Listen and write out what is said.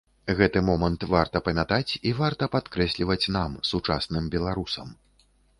Гэты момант варта памятаць і варта падкрэсліваць нам, сучасным беларусам.